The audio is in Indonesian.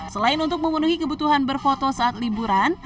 selain untuk memenuhi kebutuhan berfoto saat liburan